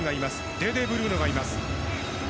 デーデー・ブルーノがいます。